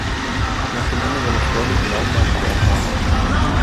Nach dem Ende seiner sportlichen Laufbahn wurde er Farmer.